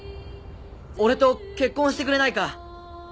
俺と結婚してくれないか？